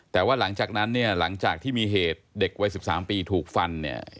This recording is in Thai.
แต่ว่าหลังจากนั้นหลังจากที่มีเหตุเด็กไว้๑๓ปีถูกฟัน